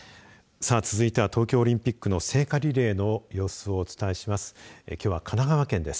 さあ、続いては東京オリンピックの聖火リレーの様子をお伝えします。